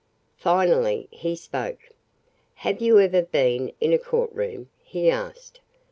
Finally he spoke: "Have you ever been in a courtroom?" he asked.